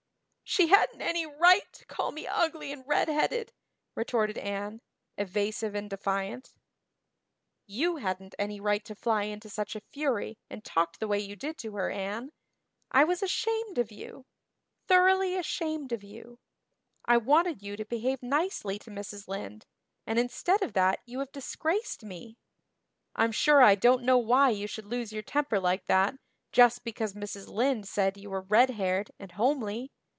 "She hadn't any right to call me ugly and redheaded," retorted Anne, evasive and defiant. "You hadn't any right to fly into such a fury and talk the way you did to her, Anne. I was ashamed of you thoroughly ashamed of you. I wanted you to behave nicely to Mrs. Lynde, and instead of that you have disgraced me. I'm sure I don't know why you should lose your temper like that just because Mrs. Lynde said you were red haired and homely.